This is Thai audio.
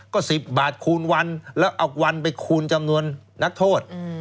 ก็๑๐บาทคูณวันแล้วเอาวันไปคูณจำนวนนักโทษ